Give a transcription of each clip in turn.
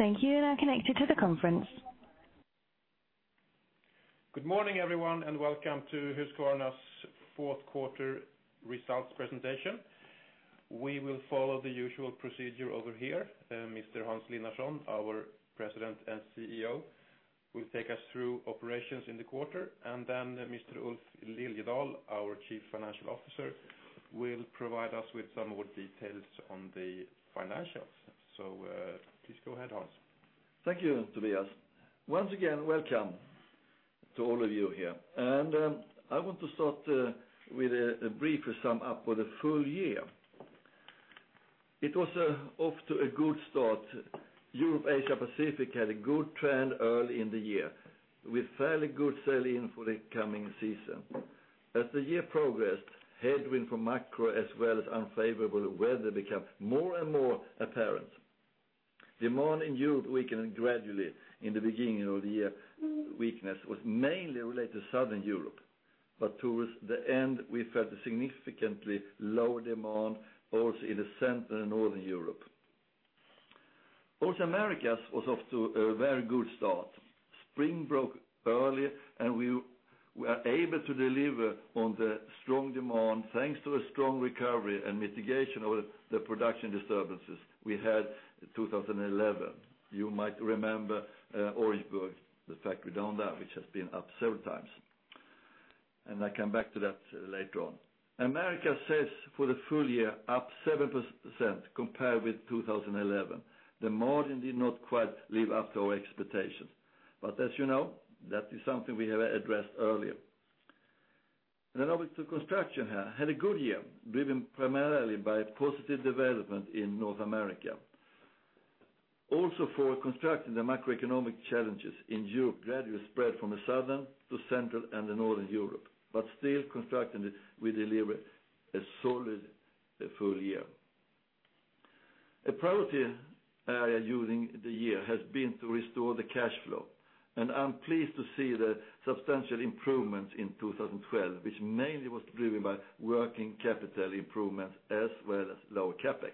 Thank you. You are now connected to the conference. Good morning, everyone, and welcome to Husqvarna's fourth quarter results presentation. We will follow the usual procedure over here. Mr. Hans Linnarson, our President and CEO, will take us through operations in the quarter, and then Mr. Ulf Liljedahl, our Chief Financial Officer, will provide us with some more details on the financials. Please go ahead, Hans. Thank you, Tobias. Once again, welcome to all of you here. I want to start with a brief sum-up for the full year. It was off to a good start. Europe, Asia Pacific had a good trend early in the year, with fairly good sell-in for the coming season. As the year progressed, headwind from macro as well as unfavorable weather became more and more apparent. Demand in Europe weakened gradually in the beginning of the year. Weakness was mainly related to Southern Europe, towards the end, we felt a significantly lower demand also in Central and Northern Europe. Americas was off to a very good start. Spring broke early, and we were able to deliver on the strong demand thanks to a strong recovery and mitigation of the production disturbances we had 2011. You might remember Orangeburg, the factory down there, which has been up several times. I come back to that later on. Americas sales for the full year up 7% compared with 2011. The margin did not quite live up to our expectations, as you know, that is something we have addressed earlier. Over to Construction. Had a good year, driven primarily by positive development in North America. For Construction, the macroeconomic challenges in Europe gradually spread from the Southern to Central and Northern Europe, still Construction, we delivered a solid full year. A priority area during the year has been to restore the cash flow, and I'm pleased to see the substantial improvements in 2012, which mainly was driven by working capital improvements as well as lower CapEx.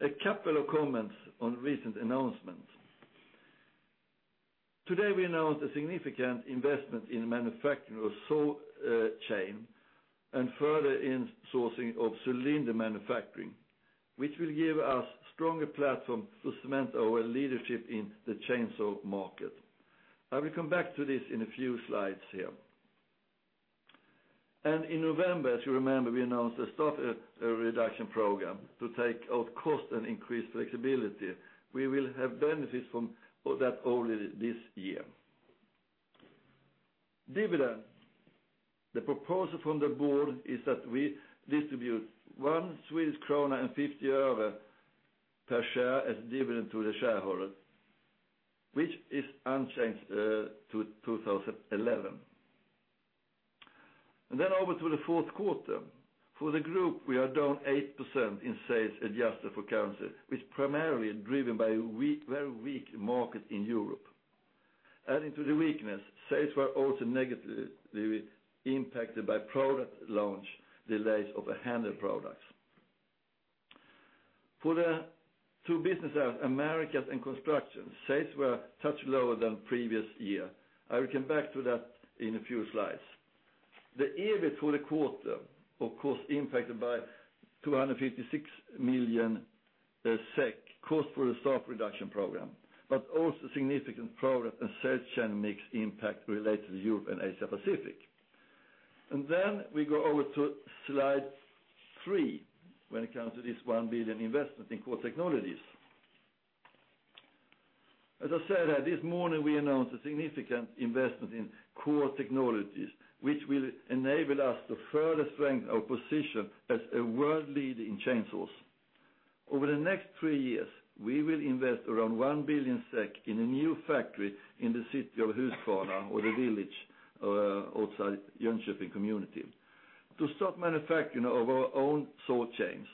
A couple of comments on recent announcements. Today, we announced a significant investment in manufacturing of saw chain and further insourcing of cylinder manufacturing, which will give us stronger platform to cement our leadership in the chainsaw market. I will come back to this in a few slides here. In November, as you remember, we announced the start of a reduction program to take out cost and increase flexibility. We will have benefits from that early this year. Dividend. The proposal from the board is that we distribute SEK 1.50 per share as dividend to the shareholders, which is unchanged to 2011. Over to the fourth quarter. For the group, we are down 8% in sales adjusted for currency, which primarily is driven by a very weak market in Europe. Adding to the weakness, sales were also negatively impacted by product launch delays of a handheld product. For the two businesses, Americas and Construction, sales were a touch lower than previous year. I will come back to that in a few slides. The EBIT for the quarter, of course, impacted by 256 million SEK cost for the staff reduction program, but also significant product and service mix impact related to Europe and Asia Pacific. We go over to slide three when it comes to this 1 billion investment in core technologies. As I said, this morning, we announced a significant investment in core technologies, which will enable us to further strengthen our position as a world leader in chainsaws. Over the next three years, we will invest around 1 billion SEK in a new factory in the city of Husqvarna or the village outside Jönköping community to start manufacturing of our own saw chains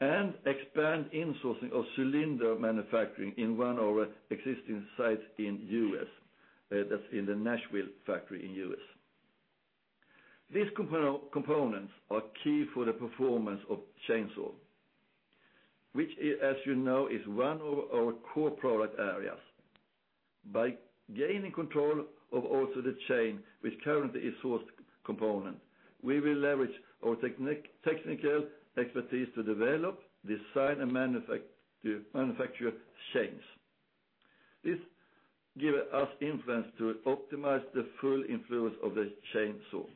and expand insourcing of cylinder manufacturing in one of our existing sites in U.S., that's in the Nashville factory in U.S. These components are key for the performance of chainsaw, which, as you know, is one of our core product areas. By gaining control of also the chain, which currently is sourced component, we will leverage our technical expertise to develop, design, and manufacture chains. This give us influence to optimize the full influence of the chainsaw.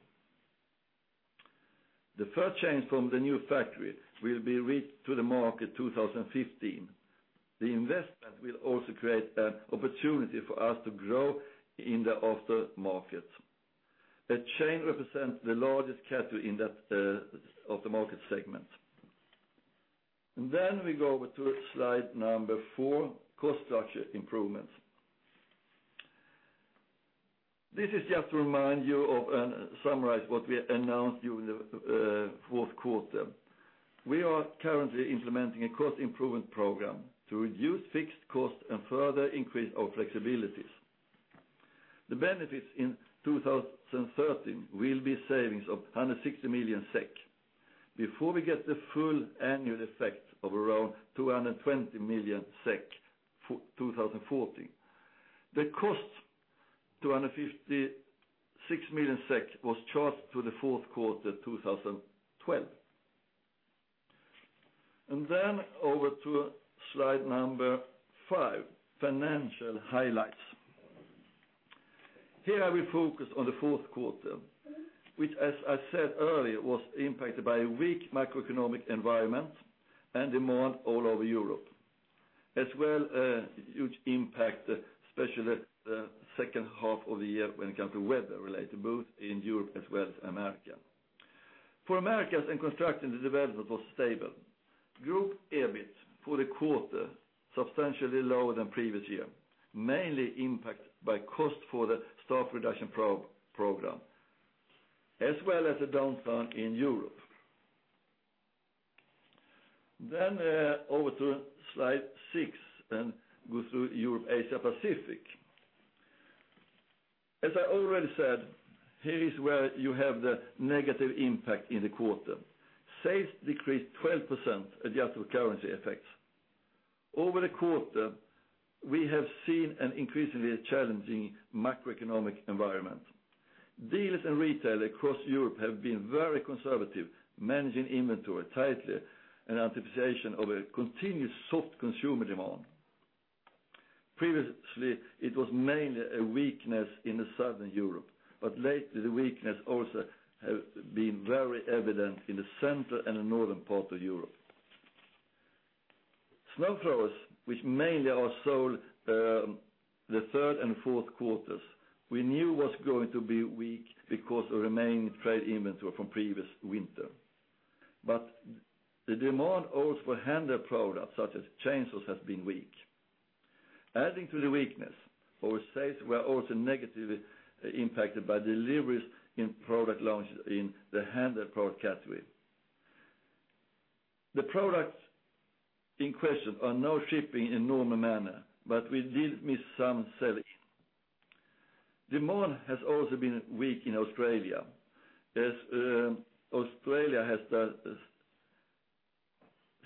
The first chain from the new factory will be reached to the market 2015. The investment will also create an opportunity for us to grow in the after-market. A chain represents the largest category in that of the market segment. We go over to slide number four, cost structure improvements. This is just to remind you of and summarize what we announced during the fourth quarter. We are currently implementing a cost improvement program to reduce fixed costs and further increase our flexibilities. The benefits in 2013 will be savings of 160 million SEK. Before we get the full annual effect of around 220 million SEK for 2014. The cost, 256 million SEK, was charged to the fourth quarter 2012. Over to slide number five, financial highlights. Here I will focus on the fourth quarter, which as I said earlier, was impacted by a weak macroeconomic environment and demand all over Europe. A huge impact, especially the second half of the year when it comes to weather related, both in Europe as well as Americas. For Americas and Construction, the development was stable. Group EBIT for the quarter, substantially lower than previous year, mainly impacted by cost for the staff reduction program, as well as the downturn in Europe. Over to slide six and go through Europe, Asia Pacific. As I already said, here is where you have the negative impact in the quarter. Sales decreased 12% adjusted currency effects. Over the quarter, we have seen an increasingly challenging macroeconomic environment. Dealers and retailers across Europe have been very conservative, managing inventory tightly in anticipation of a continued soft consumer demand. Previously, it was mainly a weakness in Southern Europe, but lately the weakness also have been very evident in the center and the Northern part of Europe. Snow throwers, which mainly are sold the third and fourth quarters, we knew was going to be weak because of remaining trade inventory from previous winter. The demand also for handheld products such as chainsaws has been weak. Adding to the weakness, our sales were also negatively impacted by deliveries in product launches in the handheld product category. The products in question are now shipping in normal manner, but we did miss some selling. Demand has also been weak in Australia, as Australia has the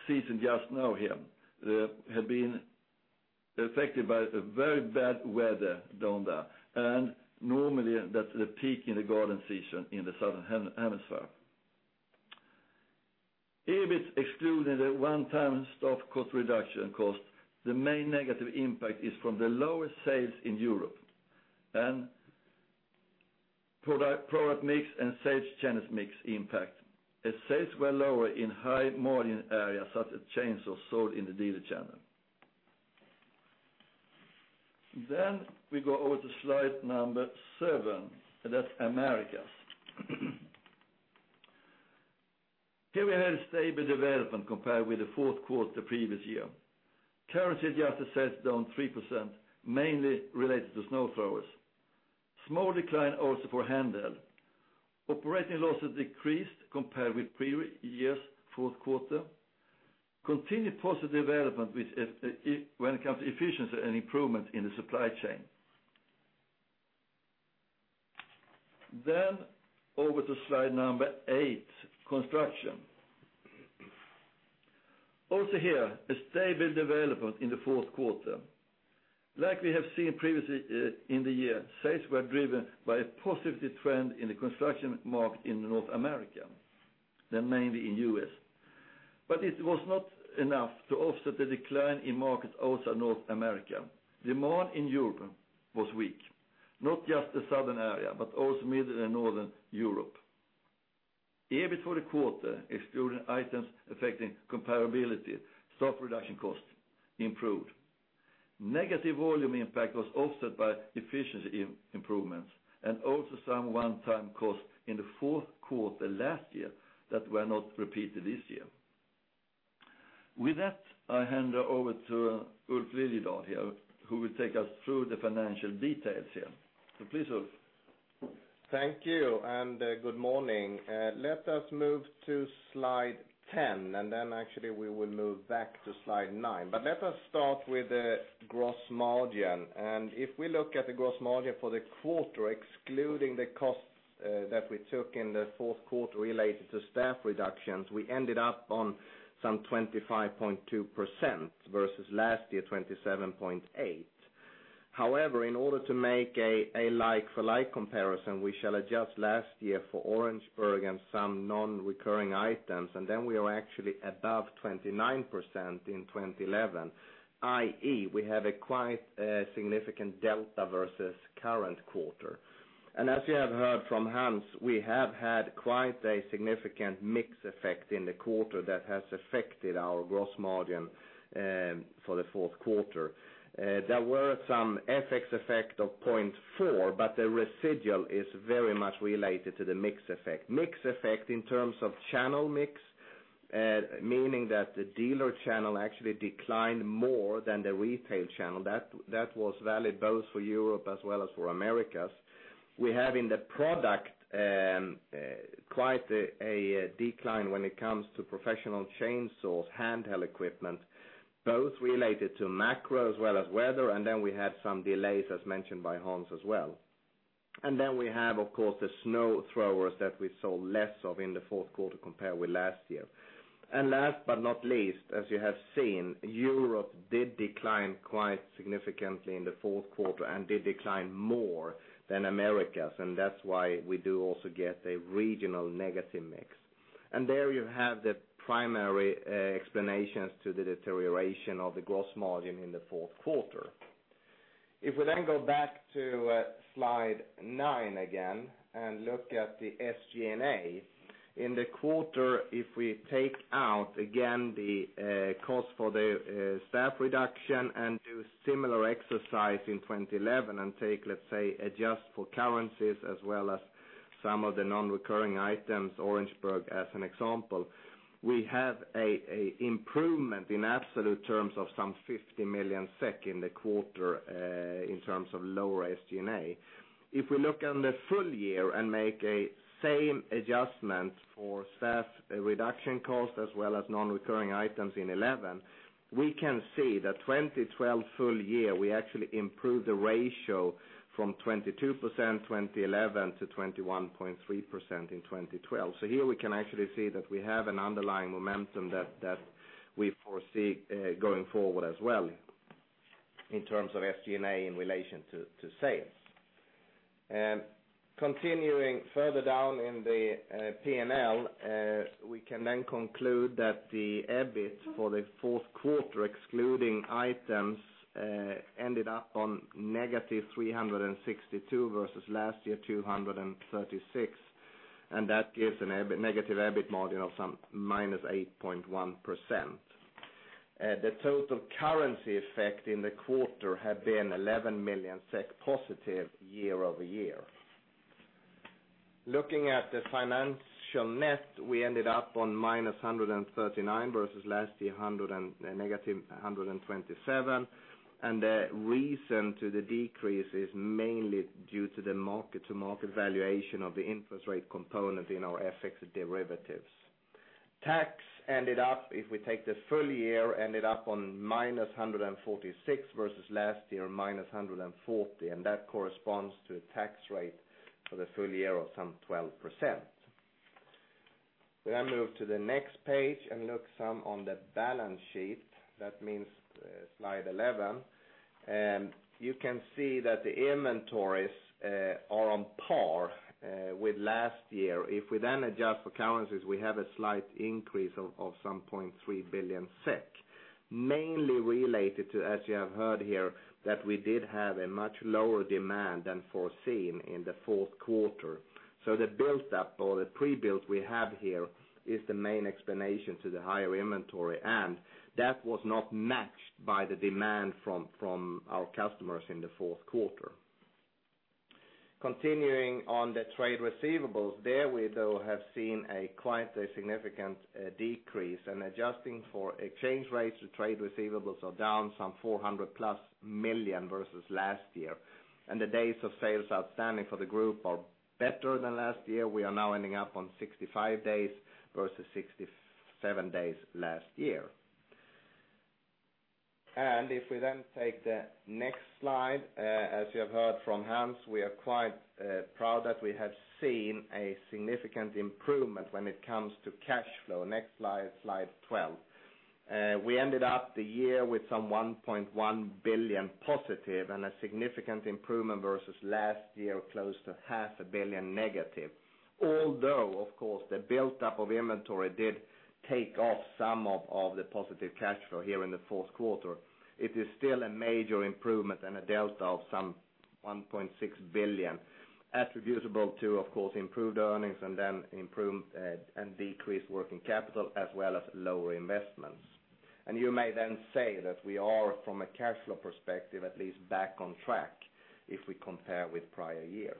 season just now here, have been affected by a very bad weather down there, and normally that's the peak in the garden season in the Southern Hemisphere. EBIT excluding the one-time staff cost reduction cost, the main negative impact is from the lower sales in Europe and product mix and sales channels mix impact, as sales were lower in high margin areas such as chainsaws sold in the dealer channel. We go over to slide number seven, and that's Americas. Here we had a stable development compared with the fourth quarter previous year. Currency adjusted, sales down 3%, mainly related to snow throwers. Small decline also for handheld. Operating losses decreased compared with prior year's fourth quarter. Continued positive development when it comes to efficiency and improvement in the supply chain. Over to slide number eight, Construction. Also here, a stable development in the fourth quarter. Like we have seen previously in the year, sales were driven by a positive trend in the construction market in North America, than mainly in the U.S. It was not enough to offset the decline in markets outside North America. Demand in Europe was weak, not just the Southern area, but also middle and Northern Europe. EBIT for the quarter, excluding items affecting comparability, staff reduction cost improved. Negative volume impact was offset by efficiency improvements and also some one-time costs in the fourth quarter last year that were not repeated this year. With that, I hand over to Ulf Liljedahl here, who will take us through the financial details here. Please, Ulf. Thank you, and good morning. Let us move to slide 10, then actually we will move back to slide nine. Let us start with the gross margin. If we look at the gross margin for the quarter, excluding the costs that we took in the fourth quarter related to staff reductions, we ended up on some 25.2% versus last year, 27.8%. However, in order to make a like-for-like comparison, we shall adjust last year for Orangeburg and some non-recurring items, then we are actually above 29% in 2011, i.e., we have a quite significant delta versus current quarter. As you have heard from Hans, we have had quite a significant mix effect in the quarter that has affected our gross margin for the fourth quarter. There were some FX effect of 0.4%, but the residual is very much related to the mix effect. Mix effect in terms of channel mix, meaning that the dealer channel actually declined more than the retail channel. That was valid both for Europe as well as for Americas. We have in the product quite a decline when it comes to professional chainsaws, handheld equipment, both related to macro as well as weather, then we had some delays, as mentioned by Hans as well. Then we have, of course, the snow throwers that we sold less of in the fourth quarter compared with last year. Last but not least, as you have seen, Europe did decline quite significantly in the fourth quarter and did decline more than Americas, that's why we do also get a regional negative mix. There you have the primary explanations to the deterioration of the gross margin in the fourth quarter. If we go back to slide nine again and look at the SG&A. In the quarter, if we take out again the cost for the staff reduction and do similar exercise in 2011 and take, let's say, adjust for currencies as well as some of the non-recurring items, Orangeburg as an example, we have an improvement in absolute terms of some 50 million SEK in the quarter in terms of lower SG&A. If we look on the full year and make a same adjustment for staff reduction cost as well as non-recurring items in 2011, we can see that 2012 full year, we actually improved the ratio from 22% 2011 to 21.3% in 2012. Here we can actually see that we have an underlying momentum that we foresee going forward as well in terms of SG&A in relation to sales. Continuing further down in the P&L, we can conclude that the EBIT for the fourth quarter, excluding items, ended up on negative 362 versus last year, 236, that gives a negative EBIT margin of some minus 8.1%. The total currency effect in the quarter had been 11 million SEK positive year-over-year. Looking at the financial net, we ended up on minus 139 versus last year negative 127, the reason to the decrease is mainly due to the mark to market valuation of the interest rate component in our FX derivatives. Tax ended up, if we take the full year, ended up on minus 146 versus last year minus 140, that corresponds to a tax rate for the full year of some 12%. We move to the next page and look some on the balance sheet. That means slide 11. You can see that the inventories are on par with last year. If we adjust for currencies, we have a slight increase of some 0.3 billion SEK, mainly related to, as you have heard here, that we did have a much lower demand than foreseen in the fourth quarter. The buildup or the pre-build we have here is the main explanation to the higher inventory, and that was not matched by the demand from our customers in the fourth quarter. Continuing on the trade receivables, there we though have seen a quite a significant decrease and adjusting for exchange rates to trade receivables are down some 400 million plus versus last year. The days of sales outstanding for the group are better than last year. We are now ending up on 65 days versus 67 days last year. If we take the next slide, as you have heard from Hans, we are quite proud that we have seen a significant improvement when it comes to cash flow. Next slide 12. We ended up the year with some 1.1 billion positive and a significant improvement versus last year, close to SEK half a billion negative. Although of course the buildup of inventory did take off some of the positive cash flow here in the fourth quarter, it is still a major improvement and a delta of some 1.6 billion attributable to, of course, improved earnings and improved and decreased working capital as well as lower investments. You may say that we are, from a cash flow perspective, at least back on track if we compare with prior year.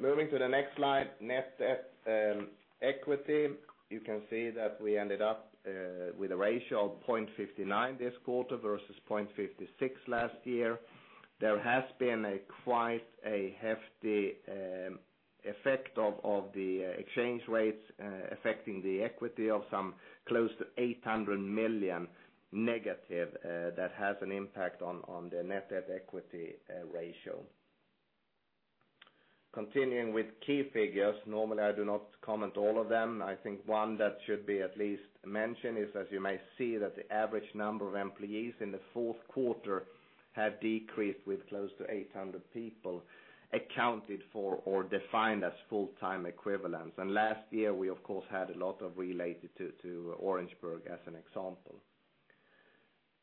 Moving to the next slide, Net Debt Equity. You can see that we ended up with a ratio of 0.59 this quarter versus 0.56 last year. There has been a quite a hefty effect of the exchange rates affecting the equity of some close to 800 million negative that has an impact on the net debt equity ratio. Continuing with key figures. Normally, I do not comment all of them. I think one that should be at least mentioned is, as you may see, that the average number of employees in the fourth quarter have decreased with close to 800 people accounted for or defined as full-time equivalents. Last year, we of course, had a lot of related to Orangeburg as an example.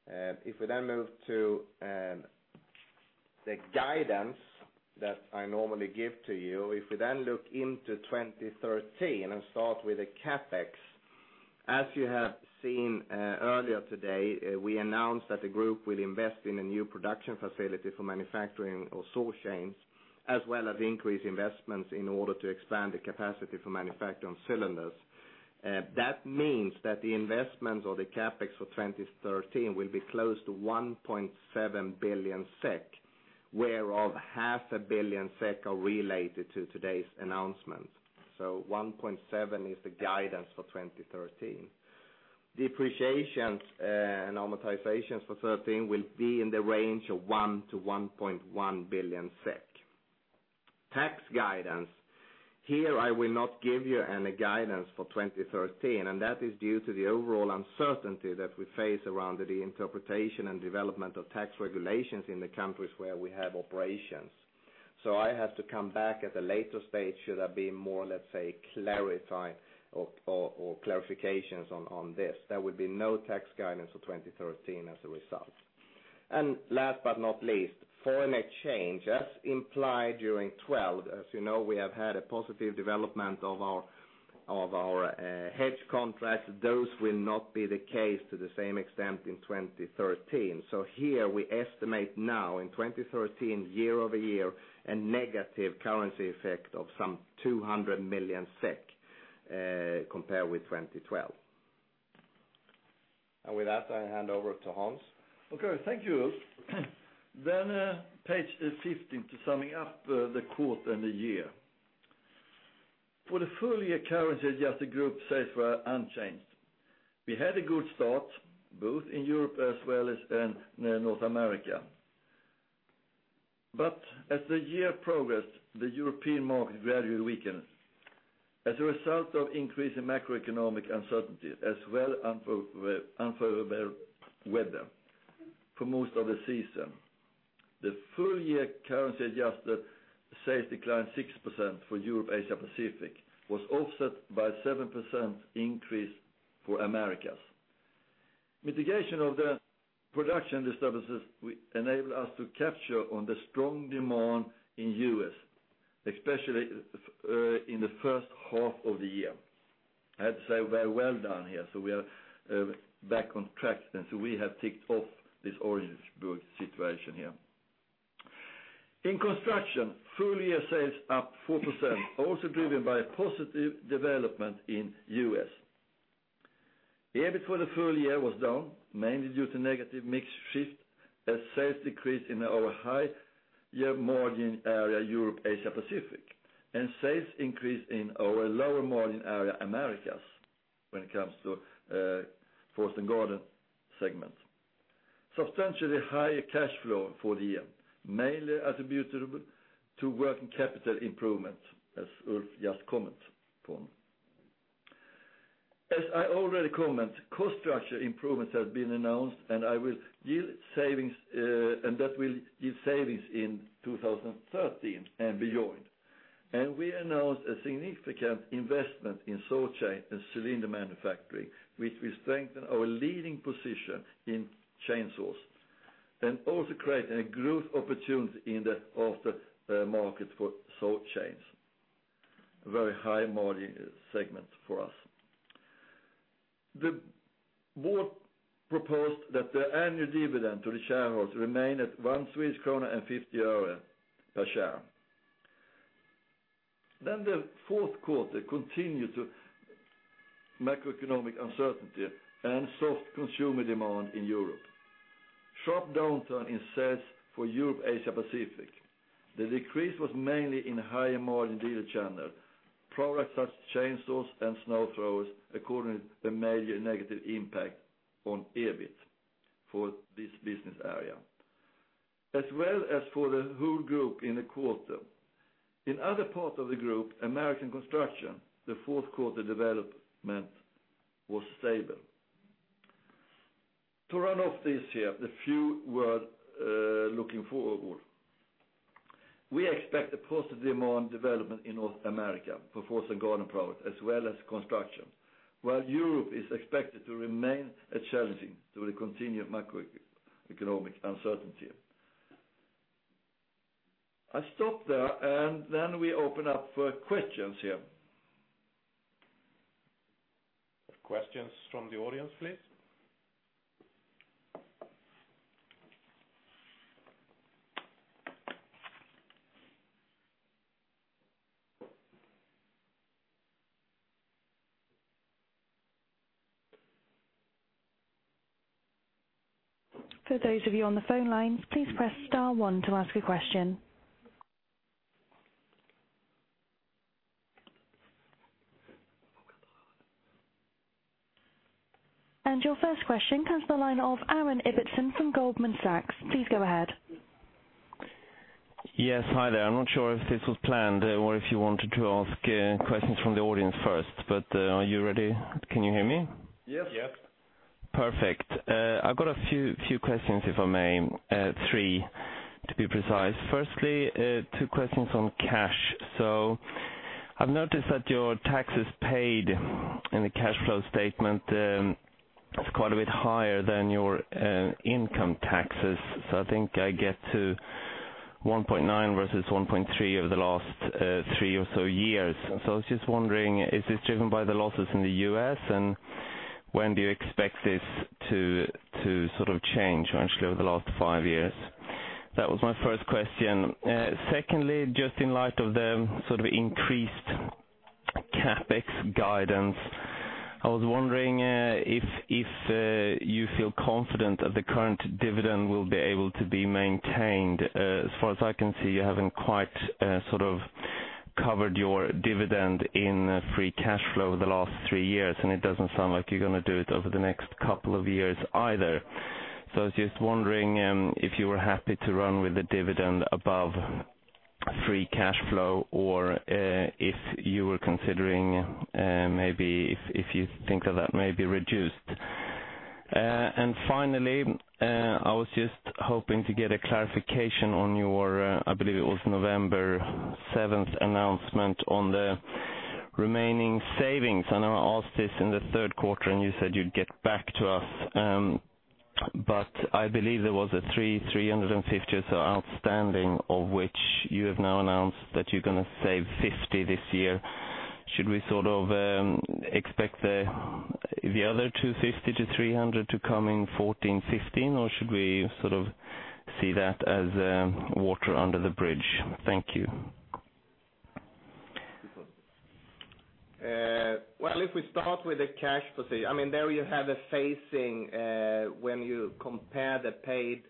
If we move to the guidance that I normally give to you, if we look into 2013 and start with the CapEx, as you have seen earlier today, we announced that the group will invest in a new production facility for manufacturing of saw chains. As well as increase investments in order to expand the capacity for manufacturing cylinders. That means that the investments or the CapEx for 2013 will be close to 1.7 billion SEK, whereof SEK half a billion are related to today's announcement. 1.7 is the guidance for 2013. Depreciations and amortizations for 2013 will be in the range of 1 billion to 1.1 billion SEK. Tax guidance. Here, I will not give you any guidance for 2013. That is due to the overall uncertainty that we face around the interpretation and development of tax regulations in the countries where we have operations. I have to come back at a later stage should there be more, let's say, clarifications on this. There will be no tax guidance for 2013 as a result. Last but not least, foreign exchange. As implied during 2012, as you know, we have had a positive development of our hedge contracts. Those will not be the case to the same extent in 2013. Here we estimate now in 2013, year-over-year, a negative currency effect of some 200 million SEK, compared with 2012. With that, I hand over to Hans. Okay, thank you, Ulf. Page 15 to summing up the quarter and the year. For the full year, currency-adjusted group sales were unchanged. We had a good start both in Europe as well as in North America. As the year progressed, the European market gradually weakened as a result of increasing macroeconomic uncertainty as well unfavorable weather for most of the season. The full year currency-adjusted sales declined 6% for Europe, Asia Pacific, was offset by 7% increase for Americas. Mitigation of the production disturbances enabled us to capture on the strong demand in the U.S., especially in the first half of the year. I have to say, very well done here. We are back on track then. We have ticked off this Orangeburg situation here. In Construction, full year sales up 4%, also driven by a positive development in the U.S. EBIT for the full year was down, mainly due to negative mix shift as sales decreased in our high margin area, Europe, Asia Pacific, and sales increased in our lower margin area, Americas, when it comes to Forest and Garden segment. Substantially higher cash flow for the year, mainly attributable to working capital improvements, as Ulf just commented on. As I already commented, cost structure improvements have been announced, that will give savings in 2013 and beyond. We announced a significant investment in saw chain and cylinder manufacturing, which will strengthen our leading position in chainsaws, and also create a growth opportunity in the aftermarket for saw chains. A very high margin segment for us. The board proposed that the annual dividend to the shareholders remain at SEK 1.50 per share. The fourth quarter continued the macroeconomic uncertainty and soft consumer demand in Europe. Sharp downturn in sales for Europe, Asia Pacific. The decrease was mainly in higher margin dealer channel. Products such as chainsaws and snow throwers accounted for the major negative impact on EBIT for this business area, as well as for the whole group in the quarter. In other parts of the group, Americas Construction, the fourth quarter development was stable. To round off this here, a few words looking forward. We expect a positive demand development in North America for Forest and Garden products as well as Construction, while Europe is expected to remain challenging due to continued macroeconomic uncertainty. I stop there, we open up for questions here. Questions from the audience, please. For those of you on the phone lines, please press star one to ask a question. Your first question comes to the line of Aaron Ibbotson from Goldman Sachs. Please go ahead. Yes. Hi there. I'm not sure if this was planned or if you wanted to ask questions from the audience first, are you ready? Can you hear me? Yes. Yes. Perfect. I've got a few questions, if I may. Three, to be precise. Firstly, two questions on cash. I've noticed that your taxes paid in the cash flow statement is quite a bit higher than your income taxes. I think I get to 1.9 versus 1.3 over the last three or so years. I was just wondering, is this driven by the losses in the U.S. When do you expect this to change, actually, over the last five years? That was my first question. Secondly, just in light of the increased CapEx guidance, I was wondering if you feel confident that the current dividend will be able to be maintained. As far as I can see, you haven't quite covered your dividend in free cash flow over the last three years, it doesn't sound like you're going to do it over the next couple of years either. I was just wondering if you were happy to run with the dividend above free cash flow or if you were considering, if you think of that may be reduced. Finally, I was just hoping to get a clarification on your, I believe it was November 7th announcement on the remaining savings. I know I asked this in the third quarter and you said you'd get back to us. I believe there was a 350 or so outstanding, of which you have now announced that you're going to save 50 this year. Should we expect the other 250-300 to come in 2014, 2015, or should we see that as water under the bridge? Thank you. If we start with the cash per se, there you have a phasing when you compare the paid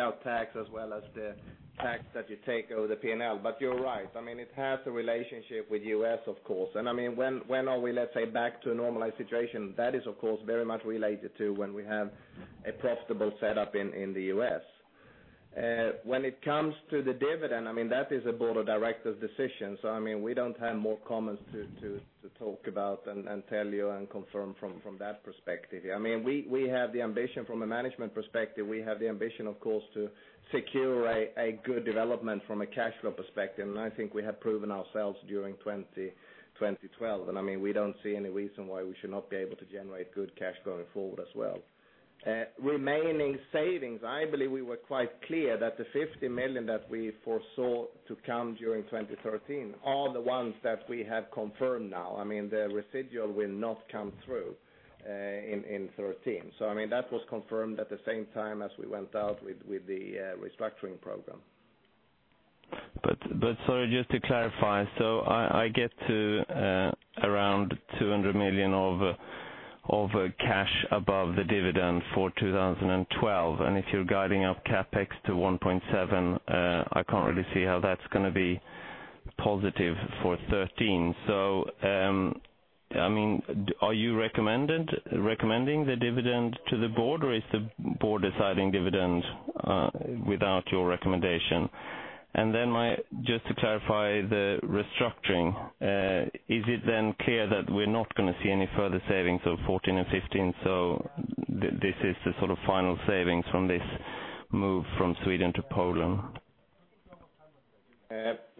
out tax as well as the tax that you take over the P&L. You're right. It has a relationship with U.S., of course. When are we, let's say, back to a normalized situation? That is, of course, very much related to when we have a profitable setup in the U.S. When it comes to the dividend, that is a board of directors decision. We don't have more comments to talk about and tell you and confirm from that perspective. From a management perspective, we have the ambition, of course, to secure a good development from a cash flow perspective, and I think we have proven ourselves during 2012. We don't see any reason why we should not be able to generate good cash going forward as well. Remaining savings, I believe we were quite clear that the 50 million that we foresaw to come during 2013 are the ones that we have confirmed now. The residual will not come through in 2013. That was confirmed at the same time as we went out with the restructuring program. Sorry, just to clarify, I get to around 200 million of cash above the dividend for 2012. If you are guiding up CapEx to 1.7 billion, I cannot really see how that is going to be positive for 2013. Are you recommending the dividend to the board, or is the board deciding dividend without your recommendation? Just to clarify the restructuring, is it clear that we are not going to see any further savings of 2014 and 2015? This is the final savings from this move from Sweden to Poland?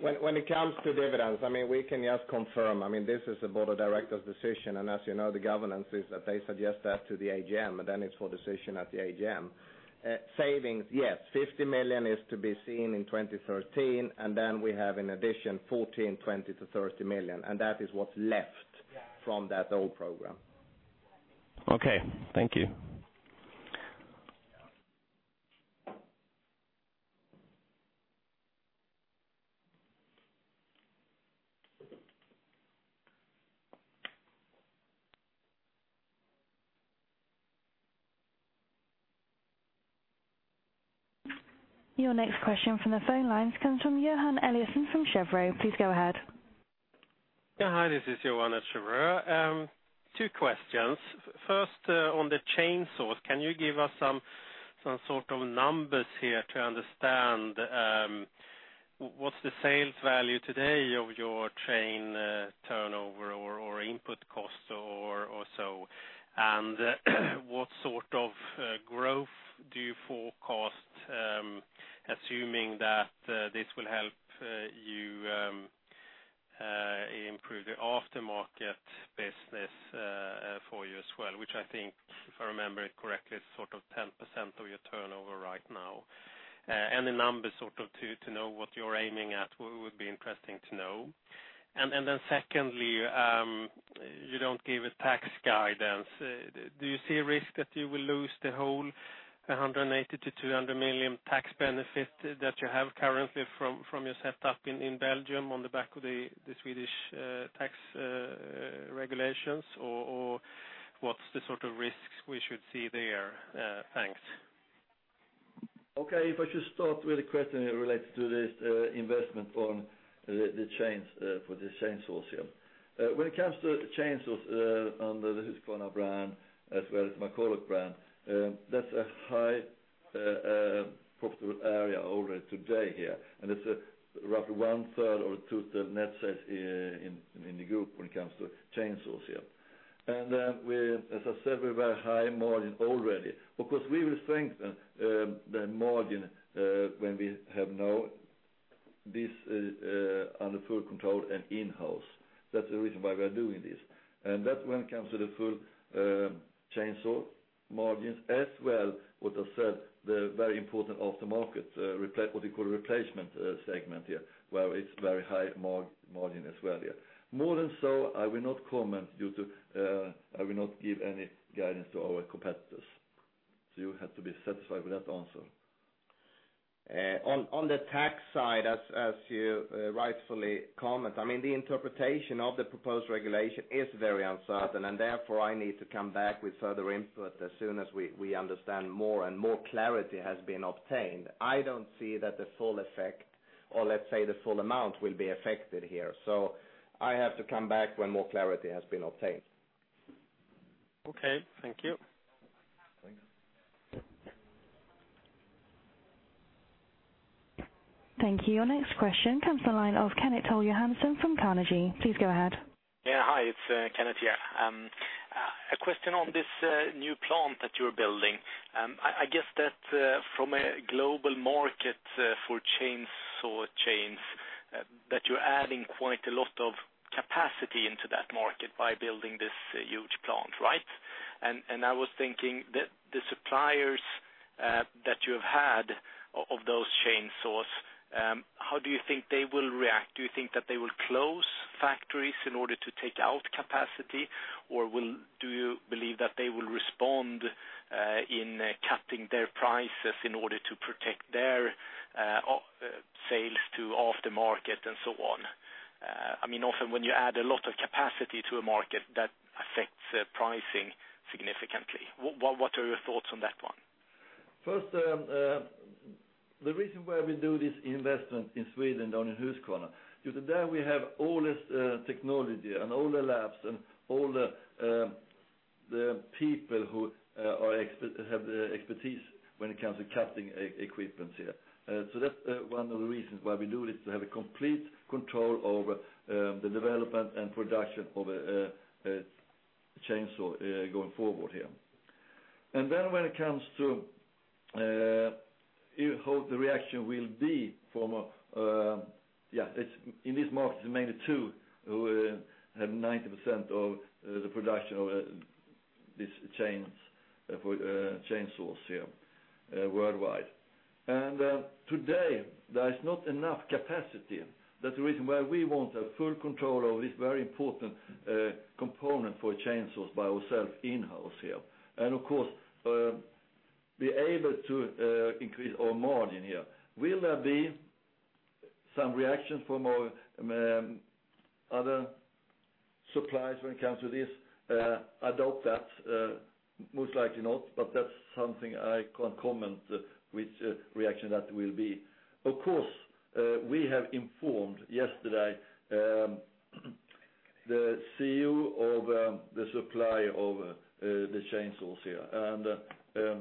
When it comes to dividends, we can just confirm. This is a board of directors decision. As you know, the governance is that they suggest that to the AGM, and it is for decision at the AGM. Savings, yes, 50 million is to be seen in 2013. We have in addition 2014, 20 million to 30 million. That is what is left from that old program. Okay. Thank you. Your next question from the phone lines comes from Johan Eliason from Cheuvreux. Please go ahead. Hi, this is Johan at Cheuvreux. Two questions. First, on the chainsaws, can you give us some sort of numbers here to understand what's the sales value today of your chain turnover or input costs or so, and what sort of growth do you forecast, assuming that this will help you improve the aftermarket business for you as well, which I think, if I remember it correctly, is 10% of your turnover right now. Any numbers to know what you're aiming at would be interesting to know. Secondly, you don't give a tax guidance. Do you see a risk that you will lose the whole 180 million-200 million tax benefit that you have currently from your setup in Belgium on the back of the Swedish tax regulations, or what's the sort of risks we should see there? Thanks. Okay. If I should start with the question related to this investment for the chainsaws here. When it comes to chainsaws under the Husqvarna brand as well as McCulloch brand, that's a high profitable area already today here, and it's roughly 1/3 or 2/3 net sales in the group when it comes to chainsaws here. As I said, we were high margin already. Of course, we will strengthen the margin when we have now this under full control and in-house. That's the reason why we are doing this. When it comes to the full chainsaw margins as well, what I said, the very important aftermarket, what we call replacement segment here, where it's very high margin as well here. More than so, I will not comment due to I will not give any guidance to our competitors. You have to be satisfied with that answer. On the tax side, as you rightfully comment, the interpretation of the proposed regulation is very uncertain, and therefore, I need to come back with further input as soon as we understand more and more clarity has been obtained. I don't see that the full effect or let's say the full amount will be affected here. I have to come back when more clarity has been obtained. Okay. Thank you. Thanks. Thank you. Your next question comes to the line of Kenneth Toll Johansson from Carnegie. Please go ahead. Yeah. Hi, it's Kenneth here. A question on this new plant that you're building. I guess that from a global market for chainsaw chains, you're adding quite a lot of capacity into that market by building this huge plant, right? I was thinking that the suppliers that you have had of those chainsaws, how do you think they will react? Do you think that they will close factories in order to take out capacity? Do you believe that they will respond in cutting their prices in order to protect their sales to off the market and so on? Often when you add a lot of capacity to a market that affects pricing significantly, what are your thoughts on that one? First, the reason why we do this investment in Sweden, down in Husqvarna, because there we have all this technology and all the labs and all the people who have the expertise when it comes to cutting equipment here. That's one of the reasons why we do this, to have a complete control over the development and production of a chainsaw going forward here. Then when it comes to how the reaction will be. Yeah, in this market, it's mainly two who have 90% of the production of these chains for chainsaws here worldwide. Today, there is not enough capacity. That's the reason why we want to have full control of this very important component for chainsaws by ourselves in-house here. Of course, be able to increase our margin here. Will there be some reaction from our other suppliers when it comes to this? I doubt that. Most likely not, but that's something I can't comment with reaction that will be. Of course, we have informed yesterday the CEO of the supply of the chainsaws here,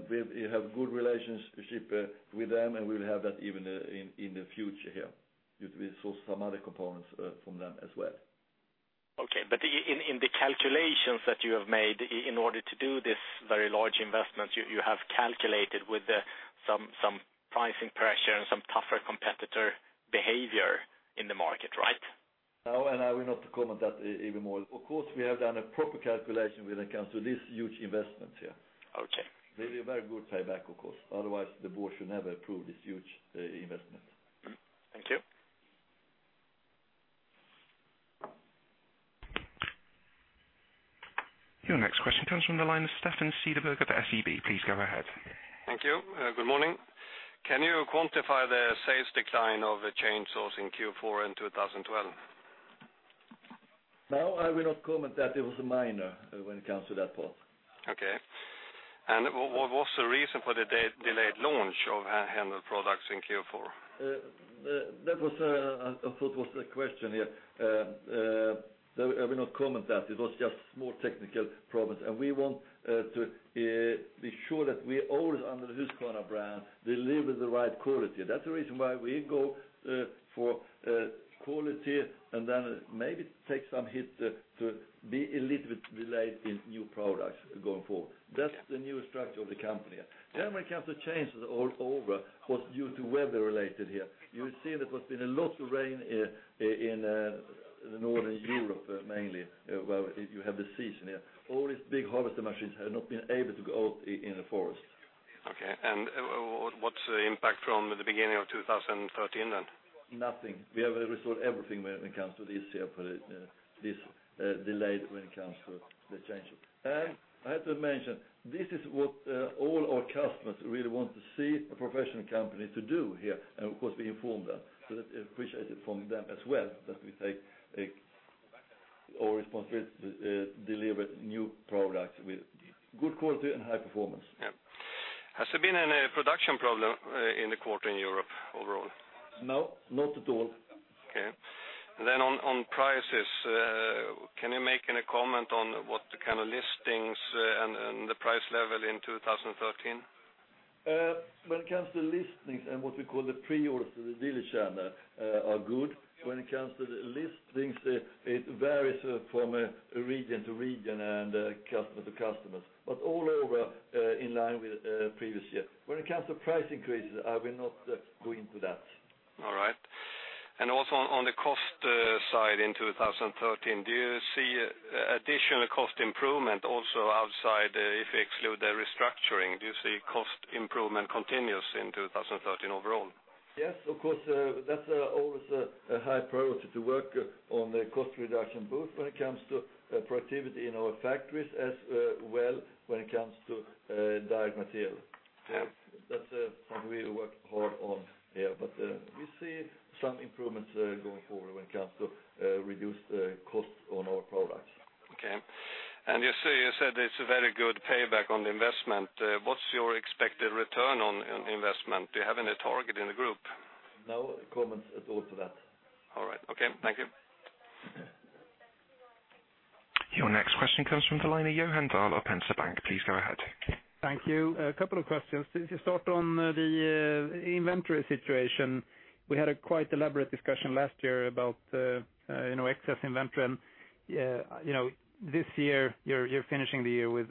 we have good relationship with them, we'll have that even in the future here. We source some other components from them as well. Okay. In the calculations that you have made in order to do this very large investment, you have calculated with some pricing pressure and some tougher competitor behavior in the market, right? No, I will not comment that even more. Of course, we have done a proper calculation when it comes to this huge investment here. Okay. There'll be a very good payback, of course. Otherwise, the board should never approve this huge investment. Thank you. Your next question comes from the line of Stefan Cederberg at SEB. Please go ahead. Thank you. Good morning. Can you quantify the sales decline of the chainsaws in Q4 in 2012? No, I will not comment that it was minor when it comes to that part. Okay. What was the reason for the delayed launch of handheld products in Q4? I thought it was the question here. I will not comment that it was just small technical problems. We want to be sure that we always, under the Husqvarna brand, deliver the right quality. That's the reason why we go for quality and then maybe take some hit to be a little bit delayed in new products going forward. That's the new structure of the company. When it comes to changes all over was due to weather related here. You see that there's been a lot of rain in Northern Europe mainly, where you have the season here. All these big harvester machines have not been able to go out in the forest. Okay. What's the impact from the beginning of 2013 then? Nothing. We have resolved everything when it comes to this year for this delay when it comes to the changes. I have to mention, this is what all our customers really want to see a professional company to do here. Of course, we inform them. They appreciate it from them as well that we take our responsibility to deliver new products with good quality and high performance. Yeah. Has there been any production problem in the quarter in Europe overall? No, not at all. Okay. On prices, can you make any comment on what the kind of listings and the price level in 2013? When it comes to listings and what we call the pre-order, the dealer channel are good. When it comes to the listings, it varies from region to region and customer to customers, but all over in line with previous year. When it comes to price increases, I will not go into that. All right. Also on the cost side in 2013, do you see additional cost improvement also outside if you exclude the restructuring? Do you see cost improvement continues in 2013 overall? Yes, of course, that's always a high priority to work on the cost reduction, both when it comes to productivity in our factories, as well when it comes to direct material. That's something we work hard on here. We see some improvements going forward when it comes to reduce cost on our products. Okay. You said it's a very good payback on the investment. What's your expected return on investment? Do you have any target in the group? No comments at all to that. All right. Okay. Thank you. Your next question comes from Velina Johannal of Penza Bank. Please go ahead. Thank you. A couple of questions. To start on the inventory situation, we had a quite elaborate discussion last year about excess inventory. This year you're finishing the year with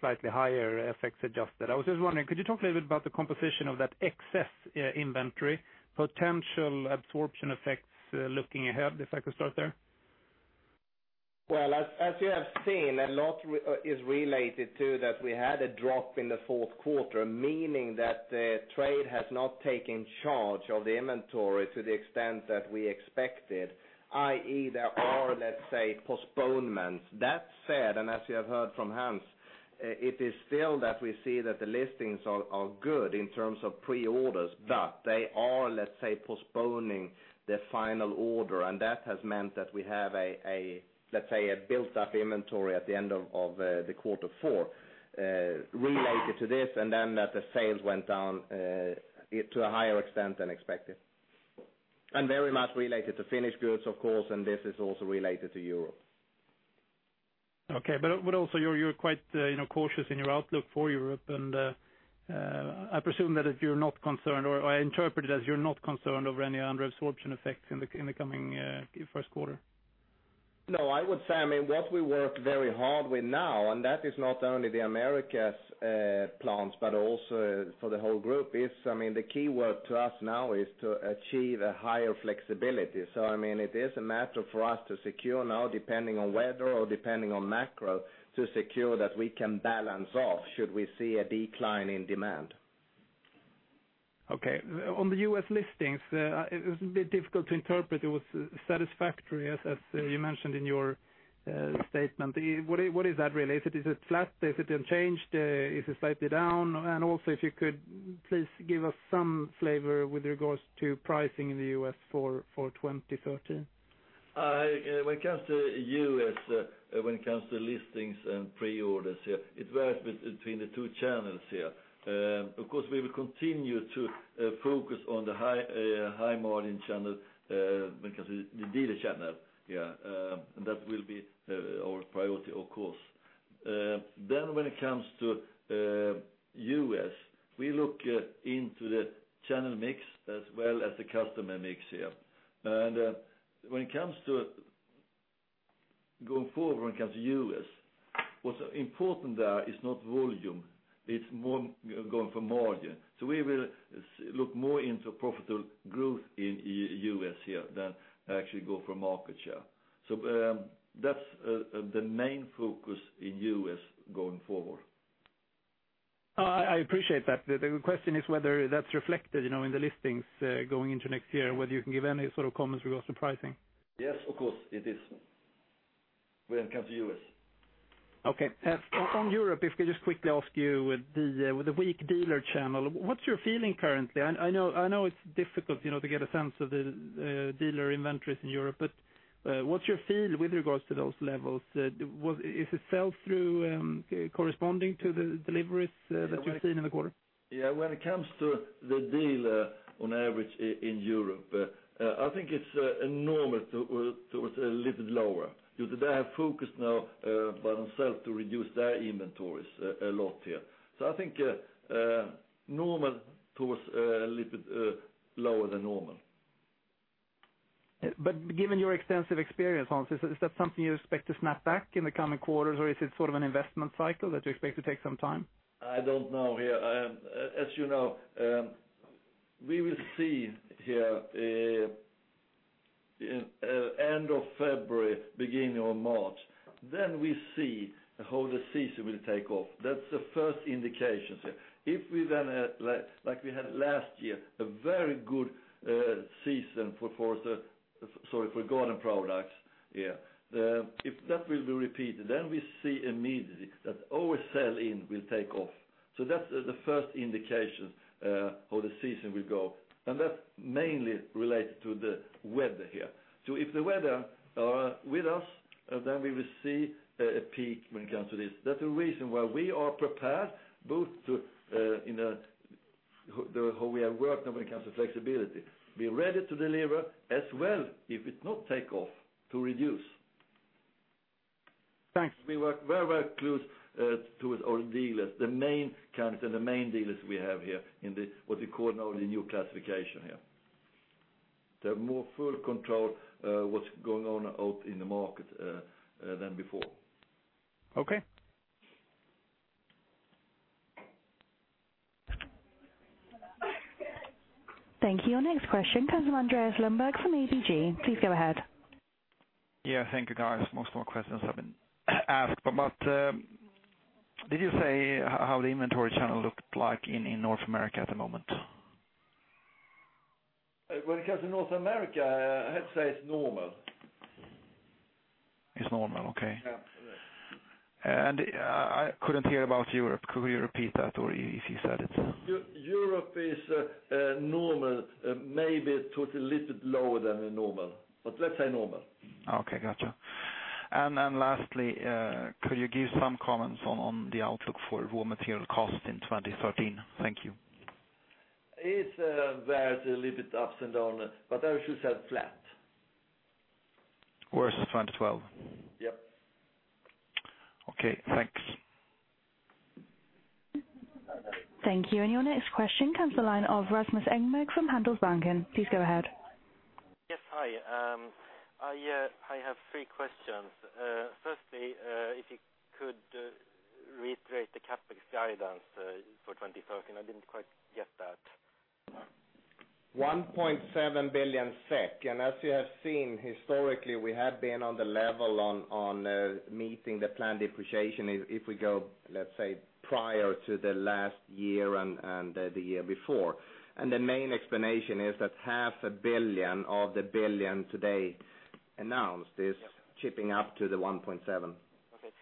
slightly higher FX adjusted. I was just wondering, could you talk a little bit about the composition of that excess inventory, potential absorption effects looking ahead? If I could start there. Well, as you have seen, a lot is related to that we had a drop in the fourth quarter, meaning that the trade has not taken charge of the inventory to the extent that we expected, i.e., there are, let's say, postponements. That said, as you have heard from Hans, it is still that we see that the listings are good in terms of pre-orders, but they are, let's say, postponing the final order. That has meant that we have, let's say, a built-up inventory at the end of the quarter four related to this. Then that the sales went down to a higher extent than expected. Very much related to finished goods, of course. This is also related to Europe. Okay. Also you're quite cautious in your outlook for Europe. I presume that if you're not concerned, or I interpret it as you're not concerned over any unresorption effects in the coming first quarter. I would say, what we work very hard with now, that is not only the Americas plants, but also for the whole group is, the key word to us now is to achieve a higher flexibility. It is a matter for us to secure now, depending on weather or depending on macro, to secure that we can balance off should we see a decline in demand. Okay. On the U.S. listings, it was a bit difficult to interpret. It was satisfactory, as you mentioned in your statement. What is that really? Is it flat? Is it unchanged? Is it slightly down? Also, if you could please give us some flavor with regards to pricing in the U.S. for 2013. When it comes to U.S., when it comes to listings and pre-orders here, it varies between the two channels here. Of course, we will continue to focus on the high margin channel, the dealer channel here, that will be our priority, of course. When it comes to U.S., we look into the channel mix as well as the customer mix here. When it comes to going forward when it comes to U.S., what's important there is not volume, it's going for margin. We will look more into profitable growth in U.S. here than actually go for market share. That's the main focus in U.S. going forward. I appreciate that. The question is whether that's reflected in the listings going into next year, whether you can give any sort of comments regarding pricing. Yes, of course it is when it comes to U.S. Okay. On Europe, if I could just quickly ask you with the weak dealer channel, what's your feeling currently? I know it's difficult to get a sense of the dealer inventories in Europe, what's your feel with regards to those levels? Is the sell-through corresponding to the deliveries that you've seen in the quarter? Yeah. When it comes to the dealer on average in Europe, I think it's normal to a little bit lower because they have focus now by themselves to reduce their inventories a lot here. I think normal towards a little bit lower than normal. Given your extensive experience, Hans, is that something you expect to snap back in the coming quarters, or is it sort of an investment cycle that you expect to take some time? I don't know here. As you know, we will see here end of February, beginning of March. We see how the season will take off. That's the first indication here. If we, like we had last year, a very good season for garden products here, if that will be repeated, we see immediately that our sell-in will take off. That's the first indication how the season will go, and that's mainly related to the weather here. If the weather are with us, we will see a peak when it comes to this. That's the reason why we are prepared both to how we have worked when it comes to flexibility. Be ready to deliver, as well if it not take off, to reduce. Thanks. We work very close to our dealers, the main counties and the main dealers we have here in what we call now the new classification here. They have more full control what's going on out in the market than before. Okay. Thank you. Your next question comes from Andreas Lundberg, from ABG. Please go ahead. Yeah, thank you, guys. Most of my questions have been asked. Did you say how the inventory channel looked like in North America at the moment? When it comes to North America, I'd say it's normal. It's normal, okay. Yeah. I couldn't hear about Europe. Could you repeat that or if you said it? Europe is normal, maybe towards a little bit lower than normal, but let's say normal. Okay, got you. Lastly, could you give some comments on the outlook for raw material cost in 2013? Thank you. It's a little bit ups and downs, but I should say it's flat. Worse than 2012? Yep. Okay, thanks. Thank you. Your next question comes to line of Rasmus Engberg from Handelsbanken. Please go ahead. Yes. Hi. I have three questions. Firstly, if you could reiterate the CapEx guidance for 2013. I didn't quite get that. 1.7 billion SEK. As you have seen historically, we have been on the level on meeting the planned depreciation if we go, let's say, prior to the last year and the year before. The main explanation is that half a billion of the 1 billion today announced is chipping up to 1.7. Okay.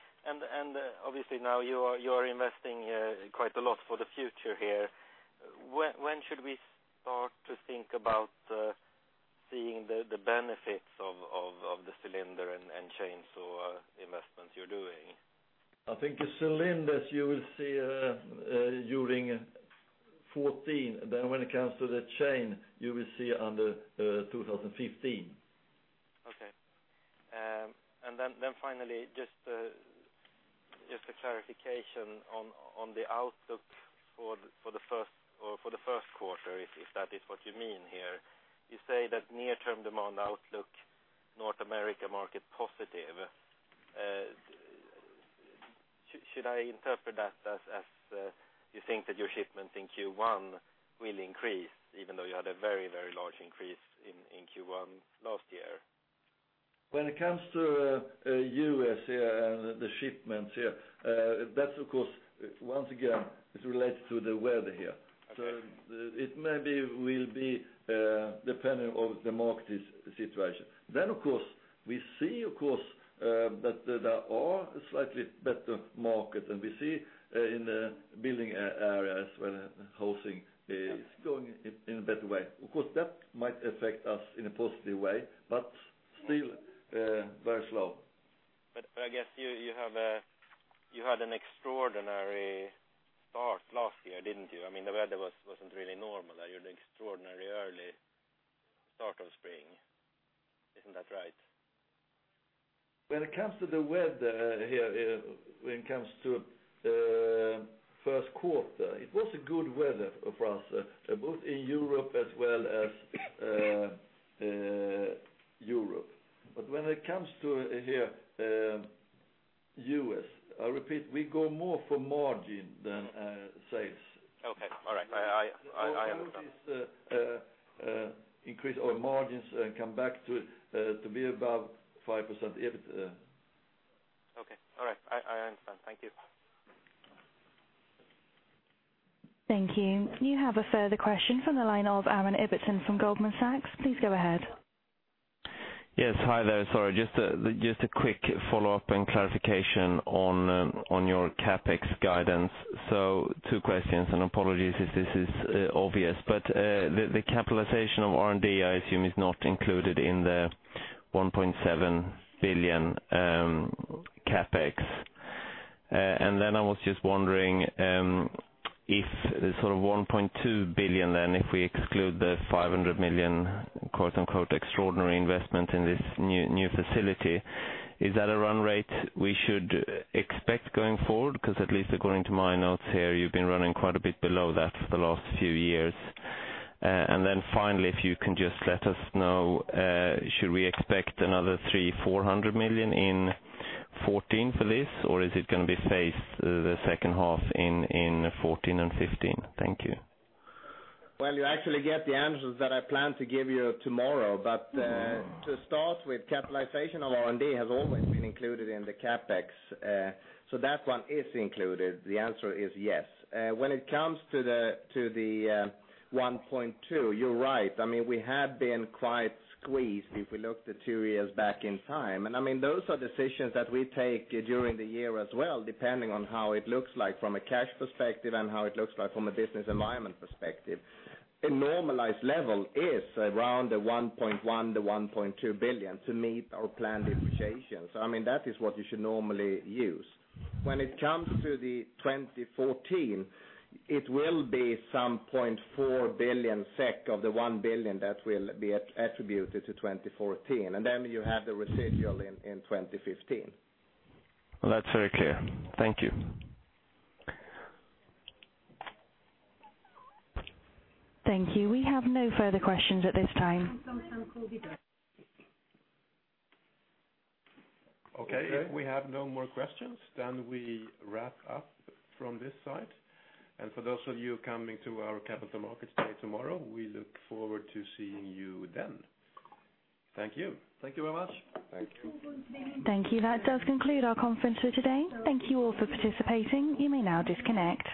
Obviously now you are investing quite a lot for the future here. When should we start to think about seeing the benefits of the cylinder and chainsaw investments you're doing? I think the cylinders you will see during 2014. When it comes to the saw chain, you will see under 2015. Okay. Finally, just a clarification on the outlook for the first quarter, if that is what you mean here. You say that near term demand outlook, North America market positive. Should I interpret that as you think that your shipments in Q1 will increase even though you had a very, very large increase in Q1 last year? When it comes to U.S. and the shipments here, that's, of course, once again, it's related to the weather here. Okay. It maybe will be dependent of the market situation. Of course, we see that there are slightly better market, and we see in the building areas where housing is going in a better way. Of course, that might affect us in a positive way, but still very slow. I guess you had an extraordinary start last year, didn't you? I mean, the weather wasn't really normal. You had extraordinary early start of spring. Isn't that right? When it comes to the weather here, when it comes to first quarter, it was a good weather for us, both in Europe as well as U.S. When it comes to here, U.S., I repeat, we go more for margin than sales. Okay. All right. I understand. Our goal is increase our margins and come back to be above 5% EBIT. Okay. All right. I understand. Thank you. Thank you. You have a further question from the line of Aron Ibansson from Goldman Sachs. Please go ahead. Yes. Hi there. Sorry, just a quick follow-up and clarification on your CapEx guidance. Two questions, and apologies if this is obvious, but the capitalization of R&D, I assume is not included in the 1.7 billion CapEx. I was just wondering, if the sort of 1.2 billion, if we exclude the 500 million, quote unquote, extraordinary investment in this new facility, is that a run rate we should expect going forward? Because at least according to my notes here, you've been running quite a bit below that for the last few years. Finally, if you can just let us know, should we expect another 300 million-400 million in 2014 for this, or is it going to be phased the second half in 2014 and 2015? Thank you. You actually get the answers that I planned to give you tomorrow. To start with, capitalization of R&D has always been included in the CapEx. That one is included. The answer is yes. When it comes to the 1.2 billion, you're right. We have been quite squeezed if we look at two years back in time. Those are decisions that we take during the year as well, depending on how it looks like from a cash perspective and how it looks like from a business environment perspective. A normalized level is around the 1.1 billion-1.2 billion to meet our planned depreciation. That is what you should normally use. When it comes to the 2014, it will be some 0.4 billion SEK of the 1 billion that will be attributed to 2014, and then you have the residual in 2015. That's very clear. Thank you. Thank you. We have no further questions at this time. Okay. If we have no more questions, we wrap up from this side. For those of you coming to our capital markets day tomorrow, we look forward to seeing you then. Thank you. Thank you very much. Thank you. Thank you. That does conclude our conference for today. Thank you all for participating. You may now disconnect.